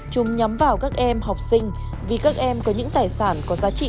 chúng nhắm vào các em học sinh vì các em có những tài sản có giá trị